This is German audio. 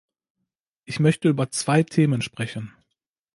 Ich möchte über zwei Themen sprechen.